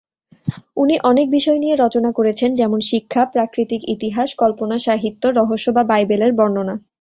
উনি অনেক বিষয় নিয়ে রচনা করেছেন, যেমন শিক্ষা, প্রাকৃতিক ইতিহাস, কল্পনা সাহিত্য, রহস্য বা বাইবেলের বর্ণনা।